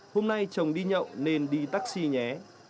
hôm nay chồng đi nhậu nên đi taxi nhé